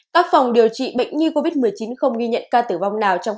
các phòng điều trị bệnh nhi covid một mươi chín không ghi nhận ca tử vật